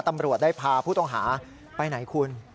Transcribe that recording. ตำรวจได้พาผู้ต้องหาไปไหนคุณ